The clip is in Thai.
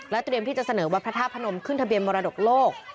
เตรียมที่จะเสนอวัดพระธาตุพนมขึ้นทะเบียนมรดกโลก